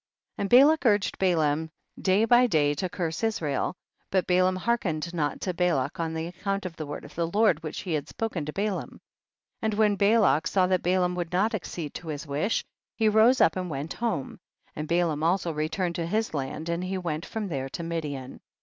49. And Balak urged Balaam day by day to curse Israel, but Balaam hearkened not to Balak on account of the word of the Lord which he had spoken to Balaam. 50. And when Balak saw that Ba laam would not accede to his wish, he rose up and went home, and Ba laam also returned to his land and he went from there to Midian.